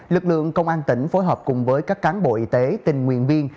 lực lượng công an tỉnh phối hợp cùng với các cán bộ y tế tình nguyện viên